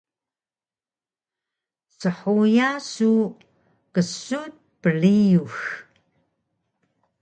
Shuya su ksun priyux?